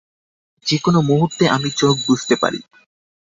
যে কোন মুহূর্তে আমি চোখ বুজতে পারি।